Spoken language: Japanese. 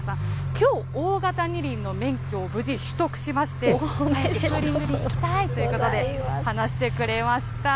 きょう、大型二輪の免許を無事取得しまして、乗りたいということで、話してくれました。